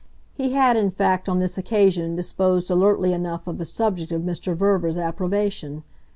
He had in fact on this occasion disposed alertly enough of the subject of Mr. Verver's approbation.